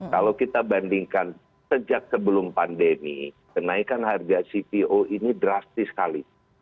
kalau kita bandingkan sejak sebelum pandemi kenaikan harga cpo ini drastis sekali